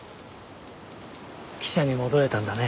記者に戻れたんだね。